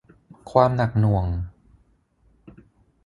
ความหนักหน่วง